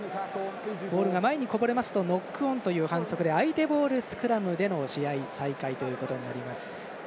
ボールが前にこぼれますとノックオンという反則で相手ボールスクラムでの試合再開となります。